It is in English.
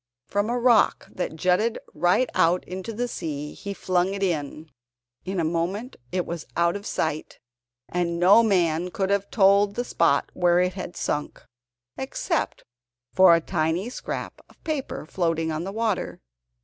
From a rock that jutted right out into the sea he flung it in. In a moment it was out of sight, and no man could have told the spot where it had sunk, except for a tiny scrap of paper floating on the water.